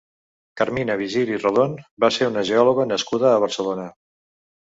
Carmina Virgili i Rodón va ser una geòloga nascuda a Barcelona.